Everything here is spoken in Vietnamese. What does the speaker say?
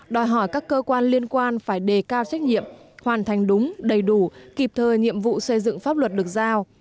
đòi hỏi các cơ quan liên quan phải đề cao trách nhiệm hoàn thành đúng đầy đủ kịp thời nhiệm vụ xây dựng pháp luật được giao